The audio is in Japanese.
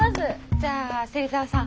じゃあ芹澤さん